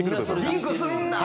リンクするんだ。